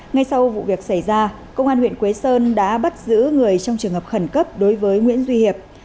ngay sau vụ việc xảy ra công an huyện quế sơn đã bắt giữ người trong trường hợp khẩn cấp đối với nguyễn duy hiệp